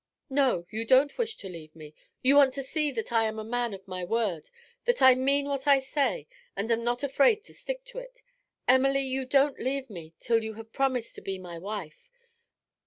'No, you don't wish to leave me. You want to see that I am a man of my word, that I mean what I say, and am not afraid to stick to it. Emily, you don't leave me till you have promised to be my wife.